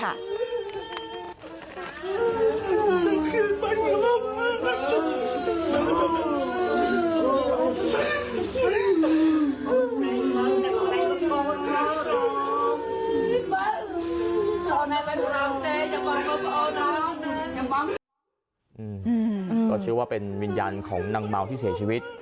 ก็เชื่อว่าเป็นวิญญาณของนางเมาที่เสียชีวิต